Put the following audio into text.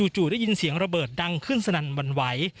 จู่ได้ยินเสียงระเบิดดังขึ้นสนั่นหวั่นไหว